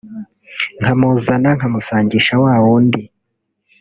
nkamuzana nkamusangisha wa wundi